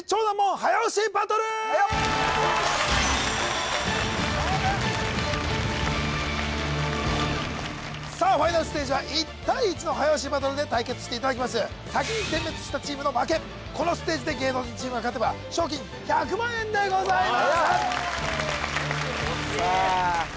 早押しバトルさあファイナルステージは１対１の早押しバトルで対決していただきます先に全滅したチームの負けこのステージで芸能人チームが勝てば賞金１００万円でございます